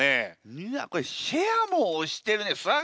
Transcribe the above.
うわっこれ「シェア」も押してるね。